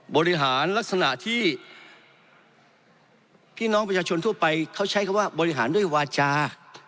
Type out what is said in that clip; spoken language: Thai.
บริหารลักษณะที่พี่น้องประชาชนทั่วไปเขาใช้คำว่าบริหารด้วยวาจา